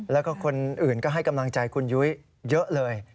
แล้วก็คนอื่นก็ให้กำลังใจคุณยุ้ยเยอะเลย